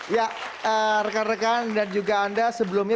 ya rekan rekan dan juga anda sebelumnya